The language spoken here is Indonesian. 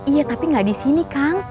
iya tapi gak disini kang